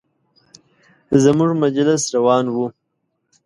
زموږ مجلس روان و.